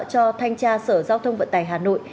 cho thanh tra sở giao thông vận tải hà nội